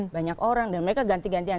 banyak orang dan mereka ganti gantian